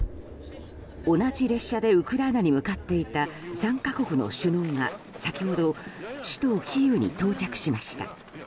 同じ列車でウクライナに向かっていた３か国の首脳が先ほど首都キーウに到着しました。